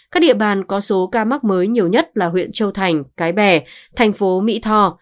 các địa bàn có số ca mắc mới nhiều nhất là huyện châu thành cái bè thành phố mỹ tho